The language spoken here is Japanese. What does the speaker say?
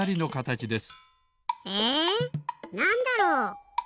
ええなんだろう？